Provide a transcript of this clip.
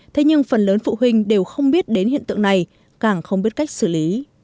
thế nhưng phần lớn phụ huynh đều không biết đến hiện tượng này càng không biết cách xử lý